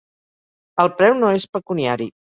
El preu no és pecuniari.